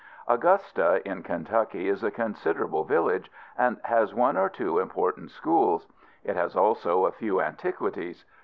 Augusta, in Kentucky, is a considerable village, and has one or two important schools. It has also a few antiquities.